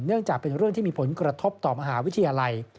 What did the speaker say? จากเป็นเรื่องที่มีผลกระทบต่อมหาวิทยาลัย